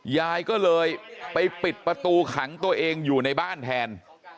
ยายก็เลยไปปิดประตูขังตัวเองอยู่ในบ้านแทน